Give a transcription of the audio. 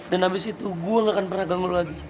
dan abis itu gue gak akan pernah ganggu lo lagi